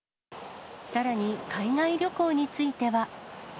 さらに海外旅行については。